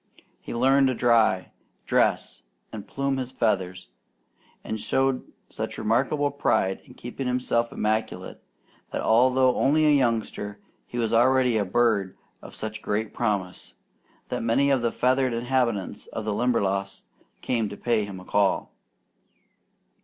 He learned to dry, dress, and plume his feathers, and showed such remarkable pride in keeping himself immaculate, that although only a youngster, he was already a bird of such great promise, that many of the feathered inhabitants of the Limberlost came to pay him a call.